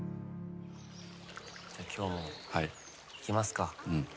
今日もいきますか。